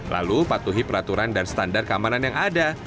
lalu patuhi peraturan dan standar keamanan yang ada